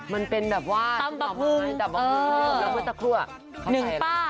อ๋อมันเป็นแบบว่าต้ำบะพรุงแล้วเมื่อจะคลั่ว